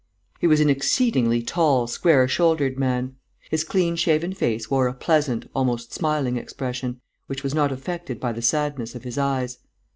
He was an exceedingly tall, square shouldered man. His clean shaven face wore a pleasant, almost smiling expression, which was not affected by the sadness of his eyes.